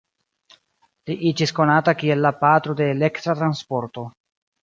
Li iĝis konata kiel la "Patro de Elektra Transporto".